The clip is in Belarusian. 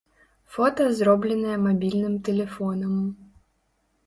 Фота зробленыя мабільным тэлефонам.